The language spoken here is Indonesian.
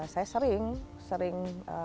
saya sering sering